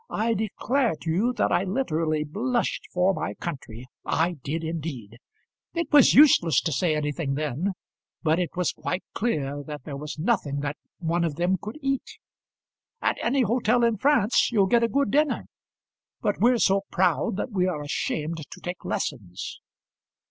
I declare to you that I literally blushed for my country; I did indeed. It was useless to say anything then, but it was quite clear that there was nothing that one of them could eat. At any hotel in France you'll get a good dinner; but we're so proud that we are ashamed to take lessons."